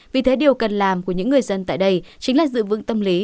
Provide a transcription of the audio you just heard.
vì thế điều cần làm của những người dân tại đây chính là giữ vững tâm lý